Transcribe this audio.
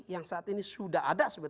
yang saat ini sudah ada saat ini